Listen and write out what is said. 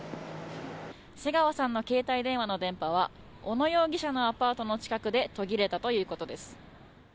瀬川さんの携帯電話の電波は小野容疑者のアパートの近くで途切れたということです。